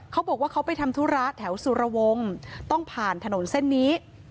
เขาบอกว่าเขาไปทำธุระแถวสุรวงศ์ต้องผ่านถนนเส้นนี้